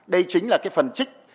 đây chính là cái phần trích